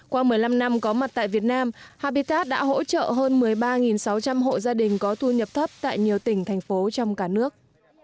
qua một mươi năm năm có mặt tại việt nam hapitad đã hỗ trợ hơn một mươi ba sáu trăm linh hộ gia đình có thu nhập thấp tại nhiều tỉnh thành phố trong cả nước